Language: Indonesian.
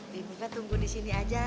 bibi pak tunggu di sini aja